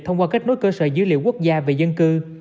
thông qua kết nối cơ sở dữ liệu quốc gia về dân cư